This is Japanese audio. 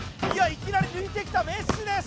いきなり抜いてきたメッシです